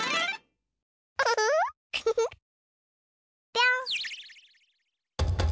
ぴょん。